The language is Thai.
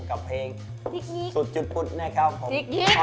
กับเพลงสุดจุดพุธนะครับผม